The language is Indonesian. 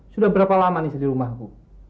sudah berapa lama nisa di rumahmu